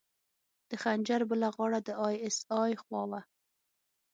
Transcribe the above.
د خنجر بله غاړه د ای اس ای خوا وه.